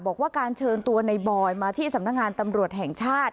บอกว่าการเชิญตัวในบอยมาที่สำนักงานตำรวจแห่งชาติ